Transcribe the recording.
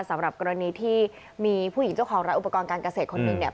สำหรับกรณีที่มีผู้หญิงเจ้าของร้านอุปกรณ์การเกษตรคนหนึ่งเนี่ย